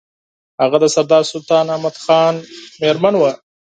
هغه د سردار سلطان احمد خان مېرمن وه.